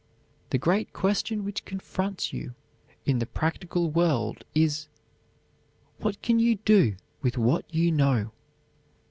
The great question which confronts you in the practical world is "What can you do with what you know?"